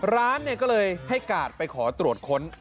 ร้านก็เลยให้กาดไปขอตรวจค้น